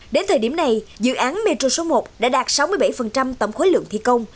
đến thời điểm này dự án metro số một đã đạt sáu mươi bảy tổng khối lượng thi công